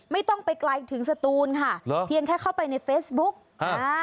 ไม่ต้องไปไกลถึงสตูนค่ะเหรอเพียงแค่เข้าไปในเฟซบุ๊กอ่า